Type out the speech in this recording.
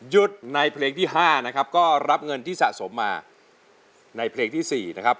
ในเพลงที่๕นะครับก็รับเงินที่สะสมมาในเพลงที่๔นะครับ